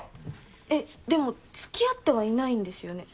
えっでも付き合ってはいないんですよね？